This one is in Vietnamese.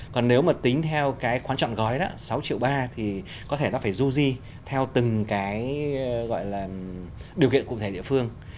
còn nếu mà tính theo cái khoán chọn gói đó sáu ba trăm linh thì có thể nó phải du di theo từng cái gọi là điều kiện cụ thể địa phương